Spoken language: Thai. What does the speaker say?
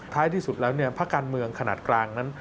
ที่สุดแล้วภาคการเมืองขนาดกลางนั้น